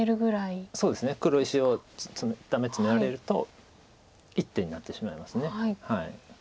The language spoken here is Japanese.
そうですね黒石をダメツメられると１手になってしまいます。